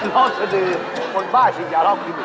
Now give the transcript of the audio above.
รอบสดือคนบ้าฉีดยารอบคลินิก